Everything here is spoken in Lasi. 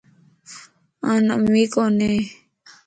آن امير ڪونئي